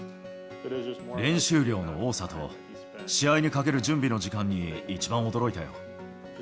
練習量の多さと、試合にかける準備の時間に一番驚いたよ。